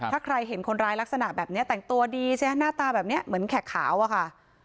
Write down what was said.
ถ้าใครเห็นคนร้ายลักษณะแบบนี้แต่งตัวดีใช่ไหมหน้าตาแบบนี้เหมือนแขกขาวอะค่ะ